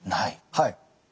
はい。